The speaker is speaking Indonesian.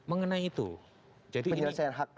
mengenai itu jadi ini